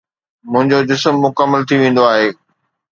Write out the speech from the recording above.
منهنجو جسم مڪمل ٿي ويندو آهي.